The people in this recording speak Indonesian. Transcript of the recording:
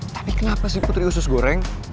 tapi kenapa sih putri usus goreng